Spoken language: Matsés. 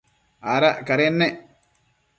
Adac cadennec